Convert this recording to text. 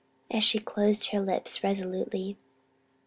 and she closed her lips resolutely.